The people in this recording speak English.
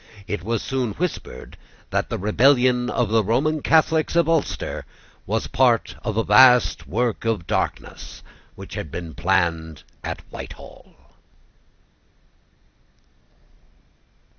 It was soon whispered that the rebellion of the Roman Catholics of Ulster was part of a vast work of darkness which had been planned at Whitehall.